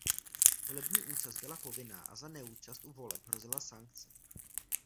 Volební účast byla povinná a za neúčast u voleb hrozila sankce.